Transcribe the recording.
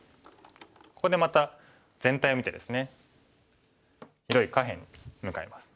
ここでまた全体を見てですね広い下辺に向かいます。